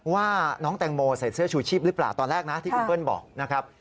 ว่าน้องแตงโมใส่เสื้อชูชีพหรือเปล่าตอนแรกนะที่คุณเปิ้ลบอกนะครับ